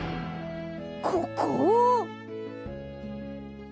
ここ！？